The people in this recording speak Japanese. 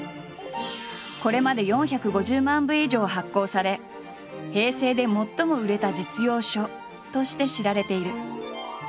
これまで４５０万部以上発行され平成で最も売れた実用書として知られている。